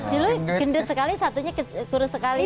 dulu gendut sekali satunya kurus sekali